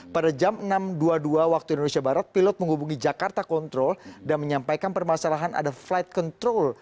pada jam enam dua puluh dua waktu indonesia barat pilot menghubungi jakarta control dan menyampaikan permasalahan ada flight control